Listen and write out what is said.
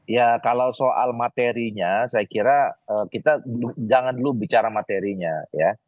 ya kalau soal materinya saya kira kita jangan dulu bicara materinya ya